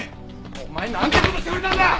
お前なんて事してくれたんだ！